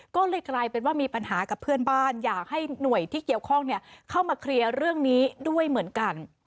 ก็เลยกลายเป็นว่ามีปัญหากับเพื่อนบ้านอยากให้หน่วยที่เกี่ยวข้องเข้ามาเคลียร์เรื่องนี้ด้วยเหมือนกัน